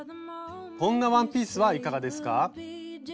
こんなワンピースはいかがですか？